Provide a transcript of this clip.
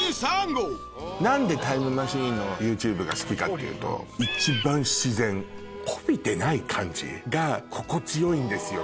何でタイムマシーンのＹｏｕＴｕｂｅが好きかっていうと一番自然こびてない感じが心地良いんですよ。